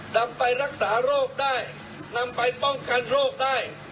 นำไปรักษาโรคได้นำไปป้องกันโรคได้